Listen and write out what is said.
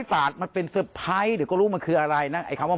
แฟสซีทาง